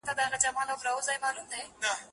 پښتو ژبه زموږ د کلتور هینداره ده.